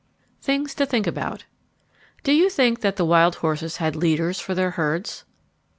THINGS TO THINK ABOUT Do you think that the wild horses had leaders for their herds?